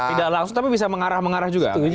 tidak langsung tapi bisa mengarah mengarah juga